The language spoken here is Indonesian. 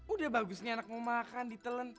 udah bagus nih anak mau makan ditelen